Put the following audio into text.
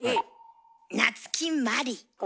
夏木マリ。